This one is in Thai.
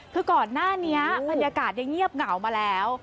คือก่อนหน้านี้บรรยากาศยังเงียบเหงามาแล้ว